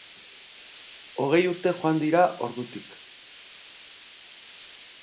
Hogei urte joan dira ordutik.